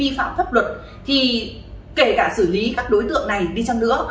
phạm pháp luật thì kể cả xử lý các đối tượng này đi chăng nữa